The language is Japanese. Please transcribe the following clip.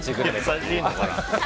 優しいのかな？